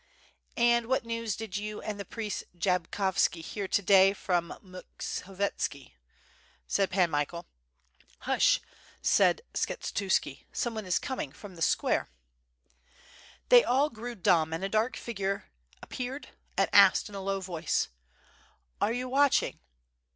"And what news did you and the priest Jabkovski hear to day from Mukhovietski,' said Pan Michael. "itush!" said Skshetuski, "someone is coming from the square." WITH FIRE AND SWORD. 743 They all grew dumb and a dark figure appeared and asked in a low voice: Are you watching?"